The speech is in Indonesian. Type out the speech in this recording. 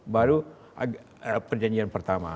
baru perjanjian pertama